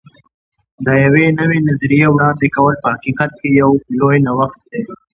د یوې نوې نظریې وړاندې کول په حقیقت کې یو لوی نوښت دی.